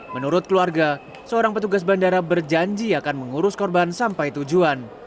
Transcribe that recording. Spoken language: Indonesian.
menurut keluarga seorang petugas bandara berjanji akan mengurus korban sampai tujuan